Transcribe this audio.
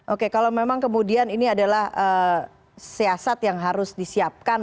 oke kalau memang kemudian ini adalah siasat yang harus disiapkan